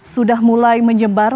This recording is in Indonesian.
sudah mulai menyebar